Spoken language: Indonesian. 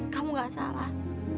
kamu gak salah